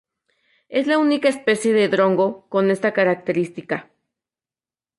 Es la única especie de drongo con esta característica.